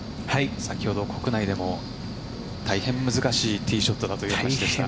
先ほど国内でも大変難しいティーショットだというお話でした。